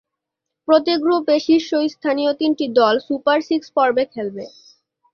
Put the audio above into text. প্রতি গ্রুপে শীর্ষস্থানীয় তিনটি দল সুপার সিক্স পর্বে খেলবে।